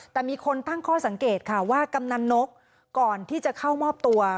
แต่มีคนตั้งข้อสังเกตค่ะว่ากำนันนกก่อนที่จะเข้ามอบตัว